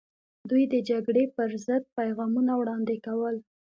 دوی د جګړې پر ضد پیغامونه وړاندې کول.